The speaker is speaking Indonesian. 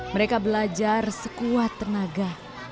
mereka belajar sekuat tenaga